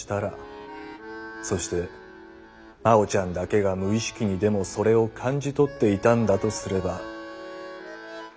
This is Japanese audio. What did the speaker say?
そして真央ちゃんだけが無意識にでもそれを感じ取っていたんだとすれば。